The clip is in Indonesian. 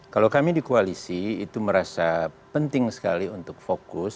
kalau kami di koalisi itu merasa penting sekali untuk fokus